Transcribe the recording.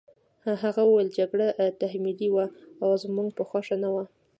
هغه وویل جګړه تحمیلي وه او زموږ په خوښه نه وه